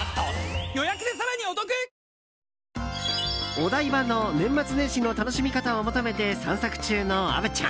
お台場の年末年始の楽しみ方を求めて散策中の虻ちゃん。